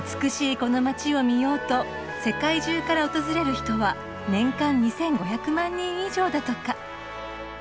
この街を見ようと世界中から訪れる人は年間２，５００万人以上だとか。